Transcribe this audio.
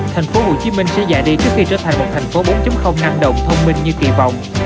thành phố hồ chí minh sẽ giả đi trước khi trở thành một thành phố bốn năng động thông minh như kỳ vọng